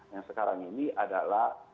yang sekarang ini adalah